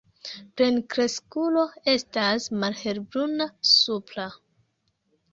Plenkreskulo estas malhelbruna supra.